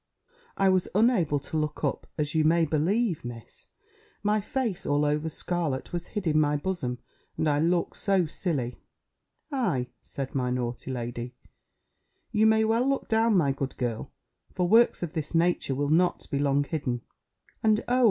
I was unable to look up, as you may believe, Miss: my face, all over scarlet, was hid in my bosom, and I looked so silly! "Ay," said my naughty lady, "you may well look down, my good girl: for works of this nature will not be long hidden. And, oh!